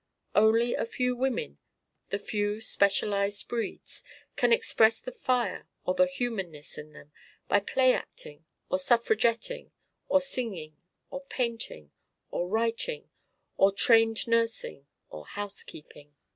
Only a few women, the few specialized breeds, can express the fire or the humanness in them by play acting or suffragetting or singing or painting or writing or trained nursing or house keeping.